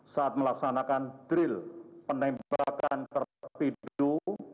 saat melaksanakan drill penembakan terhadap pindu